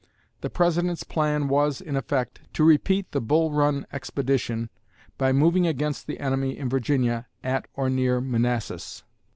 The President's plan was, in effect, to repeat the Bull Run expedition by moving against the enemy in Virginia at or hear Manassas.